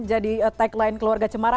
jadi tagline keluarga cemara